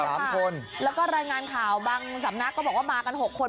สามคนแล้วก็รายงานข่าวบางสำนักก็บอกว่ามากันหกคน